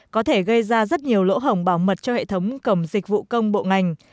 có thể gây ra rất nhiều lỗ hổng bảo mật cho hệ thống cổng dịch vụ công bộ ngành